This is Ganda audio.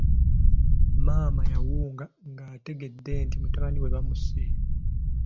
Maama yawunga ng’ategedde nti omutabani we bamusse.